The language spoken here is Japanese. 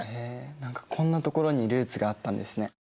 何かこんなところにルーツがあったんですね。